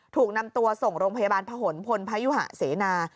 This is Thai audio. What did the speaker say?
ถูกนำตัวส่งโรงพยาบาลพะหนพลพยุหะเสนา